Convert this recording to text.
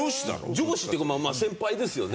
上司っていうか先輩ですよね。